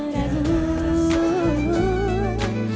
tujuan sejati menunggu